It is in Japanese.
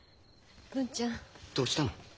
文ちゃん。どうしたの？